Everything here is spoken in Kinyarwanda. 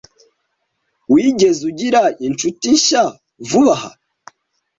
Wigeze ugira inshuti nshya vuba aha?